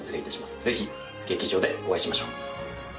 ぜひ劇場でお会いしましょう。